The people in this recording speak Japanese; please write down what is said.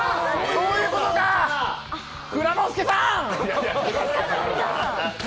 そういうことか蔵之介さん！